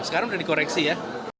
sekarang udah dikoreksi ya